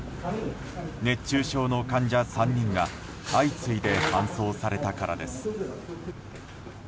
熱中症の患者３人が相次いで搬送されたからです。